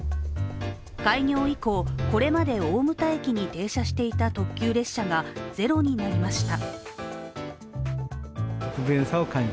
開業以降、これまで大牟田駅に停車していた特急列車がゼロになりました。